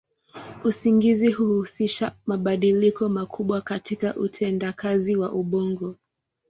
Usingizi huhusisha mabadiliko makubwa katika utendakazi wa ubongo.